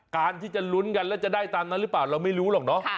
การที่จะลุ้นกันแล้วจะได้ตามนั้นหรือเปล่าเราไม่รู้หรอกเนาะ